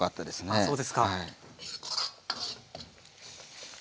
あっそうですか。